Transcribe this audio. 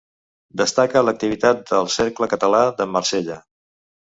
Destaca l'activitat del Cercle Català de Marsella.